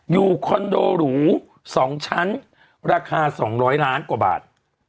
ดูคอนโดหรูสองชั้นราคาสองร้อยล้านกว่าบาท